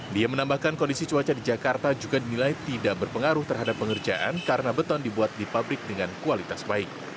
dia menambahkan kondisi cuaca di jakarta juga dinilai tidak berpengaruh terhadap pengerjaan karena beton dibuat di pabrik dengan kualitas baik